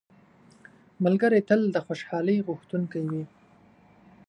ملګری تل د خوشحالۍ غوښتونکی وي